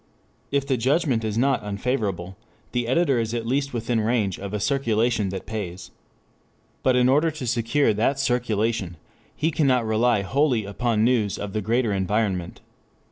If the judgment is not unfavorable, the editor is at least within range of a circulation that pays. But in order to secure that circulation, he cannot rely wholly upon news of the greater environment.